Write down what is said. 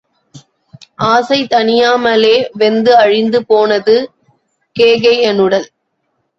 ஆசை தணியாமலே வெந்து அழிந்து போனது கேகயனுடல்.